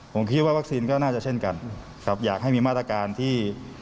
ผมคิดว่าวัคซีนก็น่าจะเช่นกันครับอยากให้มีมาตรการที่